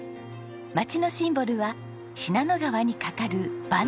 街のシンボルは信濃川に架かる萬代橋です。